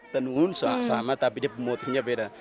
tenun sama tapi dia pemotifnya beda